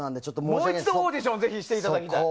もう一度オーディションをしていただきたい。